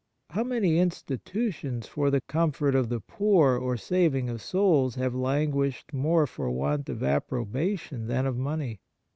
How many institutions for the comfort of the poor or saving of souls have languished more for want of approbation than of money